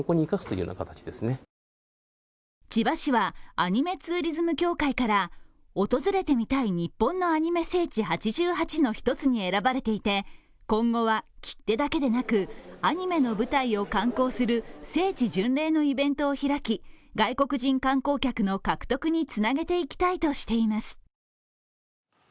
千葉市はアニメツーリズム協会から訪れてみたい日本のアニメ聖地８８の一つに選ばれていて今後は、切手だけでなくアニメの舞台を観光する聖地巡礼のイベントを開き外国人観光客の獲得につなげていきたいとしています。